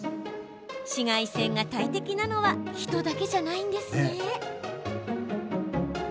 紫外線が大敵なのは人だけじゃないんですね。